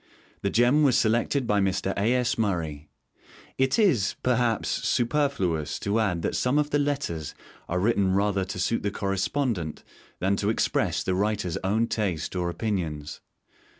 The gem was selected by Mr. A. S. Murray. It is, perhaps, superfluous to add that some of the Letters are written rather to suit the Correspondent than to express the writer's own taste or opinions.